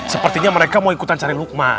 sepertinya mereka mau ikutan cari lukma